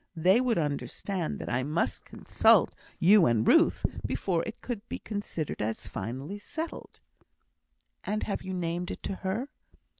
They would understand that I must consult you and Ruth, before it could be considered as finally settled." "And have you named it to her?"